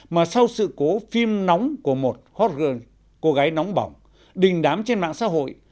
mà sau sự cố phim nóng của một hot girl cô gái nóng bỏng đình đám trên mạng xã hội